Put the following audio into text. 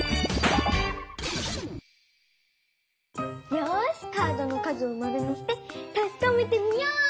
よしカードの数を丸にしてたしかめてみよう！